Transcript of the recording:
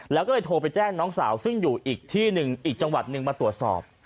แล้วก็เลยโทรไปแจ้งน้องสาวซึ่งอยู่อีกที่หนึ่งอีกจังหวัดหนึ่งมาตรวจสอบ